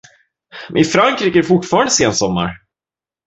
I Frankrike är det fortfarande sensommar.